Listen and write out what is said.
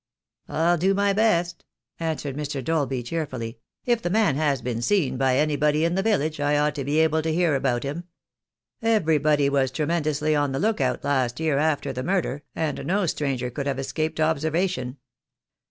"I'll do my best," answered Mr. Dolby cheerfully. "If the man has been seen by anybody in the village I ought to be able to hear about him. Everybody was tremen dously on the look out last year, after the murder, and no stranger could have escaped observation."